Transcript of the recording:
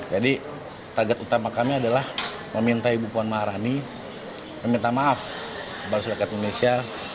jadi target utama kami adalah meminta ibu puan maharani meminta maaf kepada sulakat indonesia